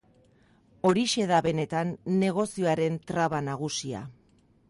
Horixe da benetan negoziazioaren traba nagusia.